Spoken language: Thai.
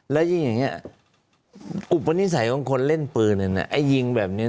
แล้วยิ่งอย่างนี้อุปนิสัยของคนเล่นปืนไอ้ยิงแบบนี้